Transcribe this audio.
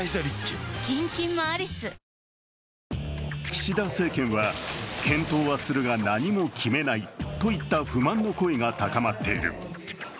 岸田政権は、検討はするが何も決めないといった不満の声が高まっている。